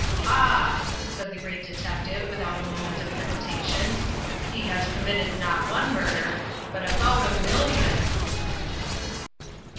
"Ha!" said the great detective without a moment of hesitation. "He has committed not one murder but about a million."